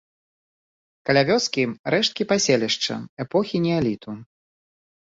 Каля вёскі рэшткі паселішча эпохі неаліту.